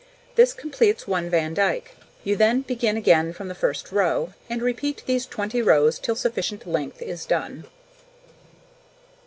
This completes 1 vandyke. You then begin again from the first row, and repeat these 20 rows till sufficient length is done.